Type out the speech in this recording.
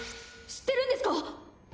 知ってるんですか？